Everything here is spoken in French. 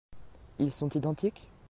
Ils sont identiques ?